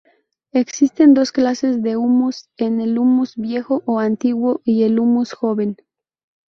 Existen dos clases de humus, el humus viejo o antiguo y el humus joven.